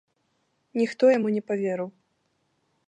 Ніхто яму не паверыў.